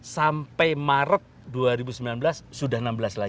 sampai maret dua ribu sembilan belas sudah enam belas lagi